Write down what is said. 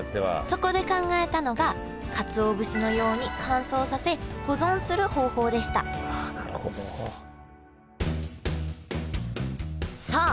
そこで考えたのがかつお節のように乾燥させ保存する方法でしたさあ